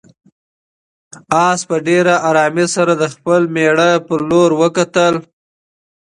آس په ډېرې آرامۍ سره د خپل مېړه په لور وکتل.